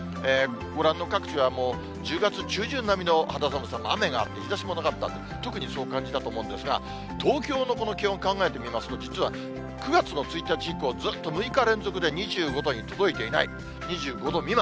ご覧の各地は、もう１０月中旬並みの肌寒さで、雨があって日ざしもなかった、特にそう感じたと思うんですが、東京の気温考えてみますと、実は９月の１日以降、ずっと６日連続で２５度に届いていない、２５度未満。